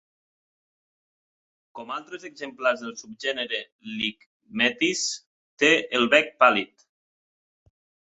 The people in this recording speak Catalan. Com altres exemplars del subgènere "licmetis", té el bec pàl·lid.